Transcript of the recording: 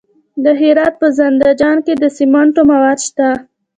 د هرات په زنده جان کې د سمنټو مواد شته.